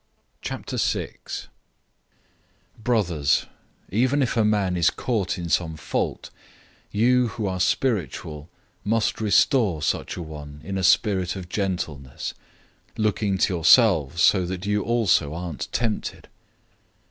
006:001 Brothers, even if a man is caught in some fault, you who are spiritual must restore such a one in a spirit of gentleness; looking to yourself so that you also aren't tempted.